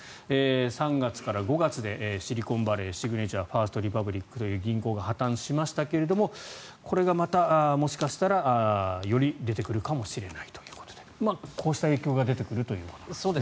３月から５月でシリコンバレー、シグネチャーファースト・リパブリックという銀行が破たんしましたがこれがまた、もしかしたらより出てくるかもしれないというところでこうした影響が出てくるということなんですね。